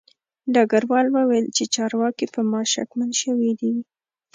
ډګروال وویل چې چارواکي په ما شکمن شوي دي